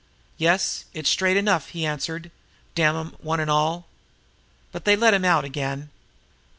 "Yes; it's straight enough," he answered. "Damn 'em, one and all! But they let him out again."